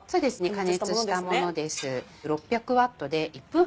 加熱したものです。